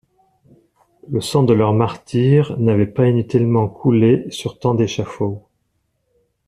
Le sang de leurs martyrs n'avait pas inutilement coulé sur tant d'échafauds.